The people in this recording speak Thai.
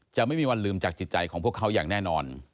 จะไม่มีวันลืมจากจิตใจของพวกเขาอย่างแน่นอน